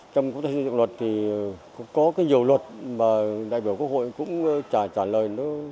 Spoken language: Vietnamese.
trong công tác xây dựng luật thì có nhiều luật mà đại biểu quốc hội cũng trả lời